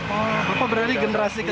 oh bapak berarti generasi ketiga